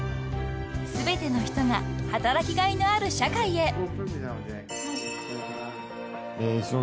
［全ての人が働きがいのある社会へ］